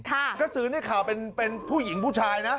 กระสือในข่าวเป็นผู้หญิงผู้ชายนะ